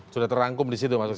sudah terangkum di situ mas